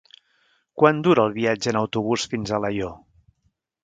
Quant dura el viatge en autobús fins a Alaior?